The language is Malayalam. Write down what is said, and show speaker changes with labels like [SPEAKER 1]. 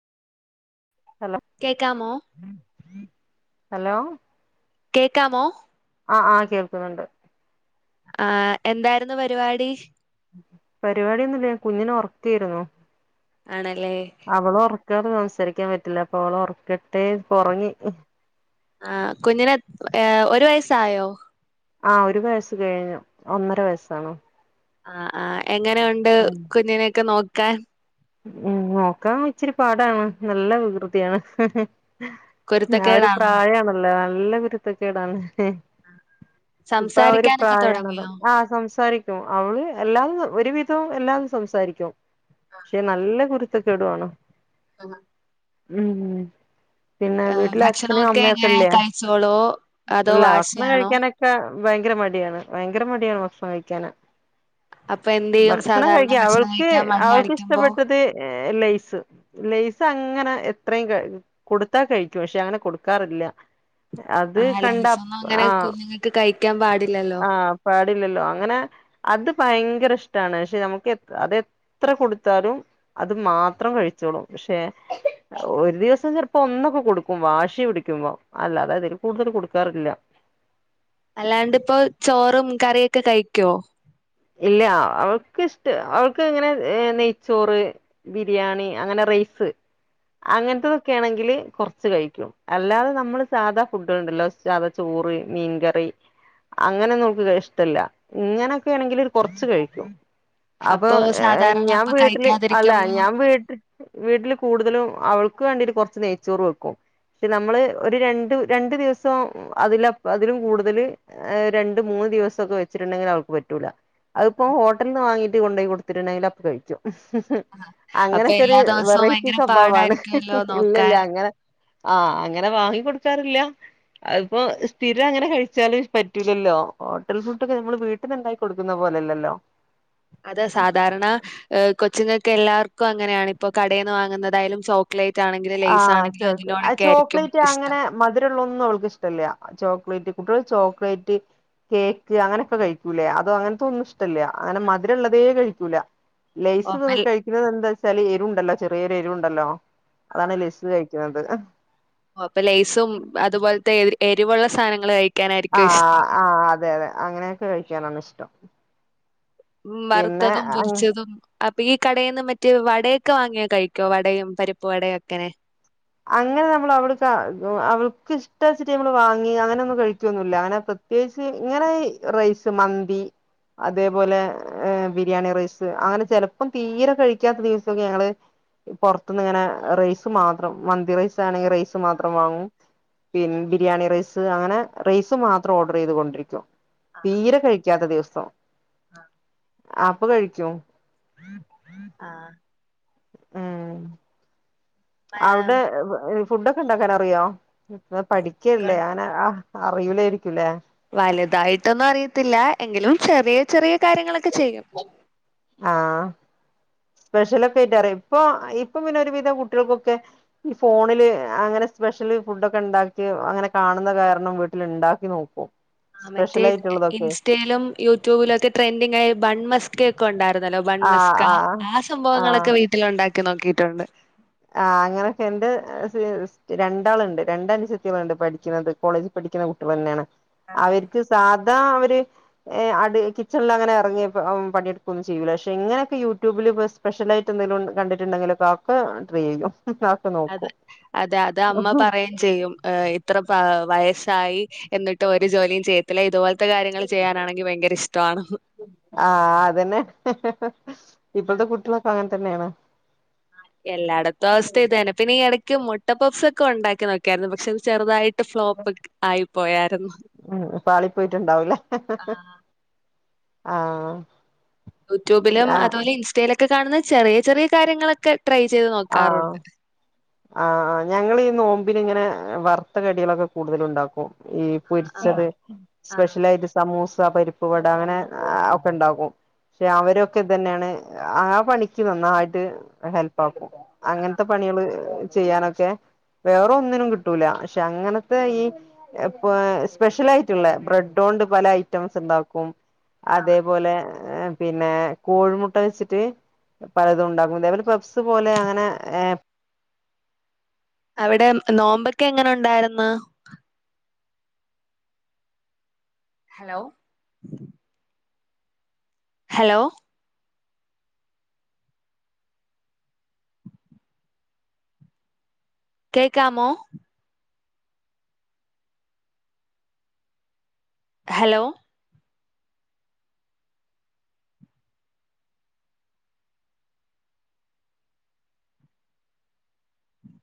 [SPEAKER 1] ഹലോ
[SPEAKER 2] കേക്കാമോ
[SPEAKER 1] ഹലോ
[SPEAKER 2] കേക്കാമോ
[SPEAKER 1] ആഹ് ആഹ് കേൾക്കുന്നുണ്ട്
[SPEAKER 2] ആഹ് എന്തായിരുന്നു പരിപാടി
[SPEAKER 1] പരിപാടിയൊന്നുല്ല കുഞ്ഞിനെ ഒറക്കായിരുന്നു
[SPEAKER 2] ആണല്ലേ
[SPEAKER 1] അവളെ ഒറക്കാതെ സംസാരിക്കാൻ പറ്റില്ല അപ്പൊ ഓളെ ഒറക്കട്ടേ പ്പൊറങ്ങി
[SPEAKER 2] ആഹ് കുഞ്ഞിന് എത് ഏ ഒരു വയസ്സായോ
[SPEAKER 1] ആഹ് ഒരു വയസ്സ് കഴിഞ്ഞു ഒന്നര വയസ്സാണ്
[SPEAKER 2] ആഹ് ആഹ് എങ്ങനെ ഒണ്ട്
[SPEAKER 1] ഉം
[SPEAKER 2] കുഞ്ഞിനെയൊക്കെ നോക്കാൻ
[SPEAKER 1] ഉം നോക്കാൻ ഇച്ചിരി പാടാണ് നല്ല വികൃതിയാണ് ഉം ആ ഒരു
[SPEAKER 2] കുരുത്തക്കേടാണോ
[SPEAKER 1] പ്രായണല്ലോ നല്ല കുരുത്തക്കേടാണ് ഹേ ഇപ്പ ആ ഒരു
[SPEAKER 2] സംസാരിക്കാനൊക്കെ
[SPEAKER 1] പ്രായണല്ലോ
[SPEAKER 2] തുടങ്ങിയോ
[SPEAKER 1] ആ സംസാരിക്ക് ചൊ അവള് എല്ലാം ഒരു വിധവും എല്ലാം സംസാരിക്കും പക്ഷേ നല്ല കുരുത്തക്കെടുവാണ്
[SPEAKER 2] ആഹ്
[SPEAKER 1] ഉം പിന്നെ
[SPEAKER 2] ആ,
[SPEAKER 1] വീട്ടില് അച്ഛനും
[SPEAKER 2] ഭക്ഷണമൊക്കെ
[SPEAKER 1] അമ്മയൊക്കെ
[SPEAKER 2] എങ്ങനെ
[SPEAKER 1] ഇല്ലേ
[SPEAKER 2] കഴിച്ചോളോ അതോ
[SPEAKER 1] ഇല്ല ഭക്ഷണം
[SPEAKER 2] വാശിയാണോ
[SPEAKER 1] കഴിക്കാനൊ ക്കെ ഭയങ്കര മടിയാണ് ഭയങ്കര മടിയാണ് ഭക്ഷണം കഴിക്കാന്
[SPEAKER 2] അപ്പൊ എന്ത് ചെയ്യും
[SPEAKER 1] വറക്കണ
[SPEAKER 2] സാധാരണ
[SPEAKER 1] കഴിക്കാം
[SPEAKER 2] ഭക്ഷണം
[SPEAKER 1] അവൾക്ക്
[SPEAKER 2] കഴിക്കാൻ മടി
[SPEAKER 1] അവൾക്ക് ഇഷ്
[SPEAKER 2] കാണിക്കുമ്പോ
[SPEAKER 1] ത് ലൈസ് ലൈസ് അങ്ങനെ എത്രയും ക കൊടുത്താ കഴിക്കും പക്ഷേ അങ്ങനെ കൊടുക്കാറില്ല അത് കണ്ട അപ്പൊ ആഹ്
[SPEAKER 2] ക്ക് കഴിക്കാൻ പാടില്ലല്ലോ
[SPEAKER 1] ആഹ് പാടില്ലല്ലോ അങ്ങനെ അത് ഭയങ്കര ഇഷ്ടാണ് പക്ഷേ നമുക്ക് എത് അത് എത്ര കൊടുത്താലും അത് മാത്രം കഴിച്ചോളും പക്ഷേ ഒരു ദിവസം ചെറപ്പോ ഒന്നൊക്കെ കൊടുക്കും വാശി പിടിക്കുമ്പോ അല്ലാത അതില് കൂടുതൽ കൊടുക്കാറില്ല
[SPEAKER 2] അല്ലാണ്ട്പ്പോ ചോറും കറിയൊക്കെ കഴിക്കോ
[SPEAKER 1] ഇല്ല അവൾക്ക് ഇഷ്ട അവൾക്ക് ഇങ്ങനെ നെയ്ച്ചോറ് ബിരിയാണി അങ്ങനെ റൈസ് അങ്ങനത്തത് ഒക്കെ ആണെങ്കില് കൊറച്ച് കഴിക്കും അല്ലാതെ നമ്മള് സാധാ ഫുഡ്കള്ണ്ടല്ലോ സാധ ചോറ് മീൻകറി അങ്ങനെ ഒന്നും അവൾക്ക് ഇഷ്ടല്ല ഇങ്ങനെ ക്കെ ആണെങ്കില് കൊറച്ച് കഴിക്കും അപ്പ
[SPEAKER 2] അപ്പൊ സാധാരണ
[SPEAKER 1] ഞാൻ
[SPEAKER 2] ഇപ്പൊ
[SPEAKER 1] വീട്ടില് അല്ല
[SPEAKER 2] കഴിക്കാതിരിക്കുമ്പോ
[SPEAKER 1] ഞാൻ വീട്ടിൽ വീട്ടില് കൂടുതലും അവൾക്ക് വേണ്ടിയിട്ട് കൊറച്ച് നെയ്ച്ചോറ് വെക്കും പക്ഷേ നമ്മള് ഒരു രണ്ട് രണ്ടു ദിവസം അതിലപ അതിലും കൂടുതല് ആ രണ്ട് മൂന്ന് ദിവസം ഒക്കെ വെച്ചിട്ട് ഉണ്ടെങ്കിൽ അവക്ക് പറ്റ് റ്റൂലാ അത്പ്പോ ഹോട്ടൽന്ന് വാങ്ങിട്ട് കൊണ്ട് പോയി കൊടുത്തിട്ട് ഉണ്ടെങ്കി അപ്പ കഴിക്കു ക്കും
[SPEAKER 2] അപ്പൊ
[SPEAKER 1] അങ്ങനെയൊക്കെ ഒരു
[SPEAKER 2] എല്ലാ ദിവസവും
[SPEAKER 1] വെറൈറ്റി
[SPEAKER 2] ഭയങ്കര
[SPEAKER 1] സ്വഭാവാണ്
[SPEAKER 2] പാടായിരിക്കുമല്ലോ
[SPEAKER 1] ഇല്ലല്ല
[SPEAKER 2] നോക്കാൻ
[SPEAKER 1] അങ്ങനെ ആഹ് അങ്ങനെ വാങ്ങി കൊടുക്കാറില്ല അതിപ്പോ സ്ഥിരം അങ്ങനെ കഴിച്ചാലും പറ്റൂലല്ലോ ഹോട്ടൽ ഫുഡ് ഒക്കെ നമ്മള് വീട്ടല്ണ്ടാക്കി കൊടുക്കുന്ന പോലെ അല്ലല്ലോ
[SPEAKER 2] അതെ സാധാരണ കൊച്ചിങ്ങക്ക് എല്ലാവർക്കും അങ്ങനെയാണ് ഇപ്പോ കടേന്ന് വാങ്ങുന്നതായാലും ച്ചോ ക്ലേറ്റ് ആണെങ്കിലും ലയ്സ് ആണെങ്കിലും അതിനോടൊക്കെ ആയിരിക്കും ഇഷ്ടം
[SPEAKER 1] മധുരള്ള ഒന്നും അവക്ക് ഇഷ്ടല്ല ചോക്ലേറ്റ് കുട്ടികള് ചോക്ലേറ്റ് കേക്ക് അങ്ങനെയൊക്കെ കഴിക്കൂലേ അതോ അങ്ങനത്തൊന്നും ഇഷ്ടല്ല അങ്ങനെ മധുരമുള്ളതേ കഴിക്കൂല ലൈസ്
[SPEAKER 2] ഓപ്പൽ
[SPEAKER 1] കഴിക്കുന്നത് എന്താ വെച്ചാല് എരുണ്ടല്ലോ ചെറിയൊരു എരു ഉണ്ടല്ലോ അതാണ് ലൈസ് കഴിക്കുന്നത് ആ
[SPEAKER 2] ഓ അപ്പൊ ലേസും അതുപോലത്തെ എരിവുള്ള സാധനങ്ങൾ കഴ
[SPEAKER 1] ആഹ് ആ അതെ അതെ അങ്ങനെയൊക്കെ കഴിക്കാനാണ് ഇഷ്ടം
[SPEAKER 2] ഉ
[SPEAKER 1] പിന്നെ
[SPEAKER 2] വറുത്തതും
[SPEAKER 1] അങ്
[SPEAKER 2] പൊരിച്ചതും അപ്പ ഈ കടയിൽ നിന്ന് മറ്റേ വടയൊക്കെ വാങ്ങിയാ കഴിക്കോ വടയും പരിപ്പ് വടയും ഒക്കെ അങ്ങനെ
[SPEAKER 1] അങ്ങനെ നമ്മൾ അവൾക്ക് അവൾക്ക് ഇഷ്ടച്ചിട്ട നമ്മള് വാങ്ങി അങ്ങനൊന്നും കഴിക്കുവൊന്നുമില്ല അങ്ങനെ പ്ര ഇസി ഇങ്ങനെ റൈസ് മന്തി അതേപോലെ ബിരിയാണി റൈസ് അങ്ങനെ ചെലപ്പം തീരെ കഴിക്കാത്ത ദിവസമൊക്കെ ഞങ്ങള് പൊറത്തുന്ന് ഇങ്ങനെ റൈസ് മാത്രം മന്തി റൈസ് ആണെങ്കിൽ റൈസ് മാത്രം വാങ്ങും പി ബിരിയാണി റൈസ് അങ്ങനെ റൈസ് മാത്രം ഓർഡർ ചെയ്ത് കൊണ്ടിരിക്കും തീരെ കഴിക്കാത്ത ദിവസം അപ്പൊ കഴിക്കും
[SPEAKER 2] ആഹ്
[SPEAKER 1] ഉം അവിടെ ഫുഡൊക്കെ ഉണ്ടാക്കൻ അറിയോ ഇങ്ങൾ പഠിക്കല്ലേ അങ്ങന ആഹ് അറിയുലായിരിക്കൂല്ലേ?
[SPEAKER 2] വലുതായിട്ടൊന്നും അറിയത്തില്ല എങ്കിലും ചെറിയ ചെറിയ കാര്യങ്ങളൊക്കെ ചെയ്യും.
[SPEAKER 1] ആഹ് സ്പെഷ്യൽ ഒക്കെ ആയിട്ടറിയോ ഇപ്പൊ ഇപ്പൊ പിന്നെ ഒരു വിധ കുട്ടികൾക്കൊക്കെ ഈ ഫോണില് അങ്ങനെ സ്പെഷ്യല് ഫുഡൊക്കെ ഉണ്ടാക്കി അങ്ങനെ കാണുന്ന കാരണം വീട്ടിൽ ഉണ്ടാക്കി നോക്കും.
[SPEAKER 2] ആഹ് മറ്റേ
[SPEAKER 1] സ്പെഷ്യൽ ആയിട്ടുള്ളതൊക്കെ
[SPEAKER 2] ഇൻസ്റ്റയിലും യൂട്യൂബിലും ഒക്കെ ട്രെൻഡിംങ് ആയ ബൺ മസ്ക ഒക്കെ ഉണ്ടായിരുന്നല്ലോ ബൺമസ്ക
[SPEAKER 1] ആഹ് ആഹ് ആഹ്
[SPEAKER 2] സംഭവങ്ങളൊക്കെ വീട്ടിൽ ഉണ്ടാക്കി നോക്കിയിട്ടുണ്ട്
[SPEAKER 1] ആഹ് അങ്ങനൊക്കെ എന്റെ രണ്ടാളുണ്ട് രണ്ട അനുജത്തിമാർ ഉണ്ട് പഠിക്കുന്നത് കോളേജ് പഠിക്കുന്ന കുട്ടികൾ തന്നെയാണ് അവർക്ക് സാധാ അവര് ഏഹ് അത് കിച്ചണിൽ അങ്ങനെ ഇറങ്ങി പണിയെടുക്കൊന്നും ചെയ്യൂല പക്ഷെ ഇങ്ങനെയൊക്കെ യൂട്യൂബില് ഫസ് സ്പെഷ്യലായിട്ട് എന്തെിലും കണ്ടിട്ടുണ്ടെങ്കിലെക്കെ ട്രൈ ചെയ്യും
[SPEAKER 2] അതെ
[SPEAKER 1] നോക്കും
[SPEAKER 2] അതെ അത് അമ്മ പറുകയും ചെയ്യും ഏഹ് ഇത്ര പ വയസ്സായി എന്നിട്ട് ഒരു ജോലിയും ചെയ്യത്തില്ല ഇതുപോലത്തെ കാര്യങ്ങൾ ചെയ്യാനാണെങ്കിൽ ഭയങ്കര ഇഷ്ടമാണ്.
[SPEAKER 1] ആഹ് അതന്നെ ഇപ്പോഴത്തെ കുട്ടികളൊക്കെ അങ്ങനെ തന്നെയാണ്
[SPEAKER 2] എല്ലായിടത്തും അവസ്ഥ ഇതന്നെ പിന്നെ ഈ ഇടയ്ക്ക് മുട്ട പപ്പ്സ് ഒക്കെ ഉണ്ടാക്കി നോക്കിയായിരുന്നു പക്ഷെ അത് ചെറുതായി
[SPEAKER 1] ഉം പാളി പോയിട്ടുണ്ടാവൂലേ? ആഹ്
[SPEAKER 2] യൂട്യൂബിലും അതുപോലെ ഇൻസ്റ്റയിലൊക്കെ കാണുന്ന ചെറിയ ചെറിയ കാര്യങ്ങളൊക്കെ ട്രൈ ചെയ്ത്
[SPEAKER 1] ആഹ്
[SPEAKER 2] നോക്കാറുണ്ട്.
[SPEAKER 1] ആഹ് ആഹ് ഞങ്ങൾ ഈ നോമ്പിന് ഇങ്ങനെ വറുത്ത കടികളൊക്കെ കൂടുതൽ ഉണ്ടാക്കും ഈ
[SPEAKER 2] ആഹ്
[SPEAKER 1] പൊരിച്ചത്
[SPEAKER 2] ആഹ്
[SPEAKER 1] സ്പെഷ്യലായിട്ട് സമൂസ പരിപ്പ്‌ വട അങ്ങനെ ഒക്കെ ഉണ്ടാക്കും. പക്ഷെ അവരൊക്കെ ഇതെന്നെയാണ് ആഹ് പണിക്ക് നന്നായിട്ട് ഹെൽപ്പ് ആക്കും അങ്ങനത്തെ പണികള് ചെയ്യാനൊക്കെ വേറെ ഒന്നിനും കിട്ടൂല പക്ഷെ അങ്ങനത്തെ ഈ ഇപ്പോ സ്പെഷ്യൽ ആയിട്ടുള്ള ബ്രെഡോണ്ട് പല ഐറ്റംസ് ഉണ്ടാക്കും.
[SPEAKER 2] ആഹ്
[SPEAKER 1] അതേപോലെ ങ്ങെ പിന്നെ കോഴിമുട്ട വെച്ചിട്ട് പലതും ഉണ്ടാക്കും ഇതേപോലെ പപ്സ് പോലെ അങ്ങനെ ഏഹ്
[SPEAKER 2] അവിടെ നോമ്പ് ഒക്കെ എങ്ങനെ ഉണ്ടായിരുന്ന് ഹലോ ഹലോ കേക്കാമോ? ഹലോ